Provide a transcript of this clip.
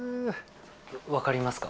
分かりますか？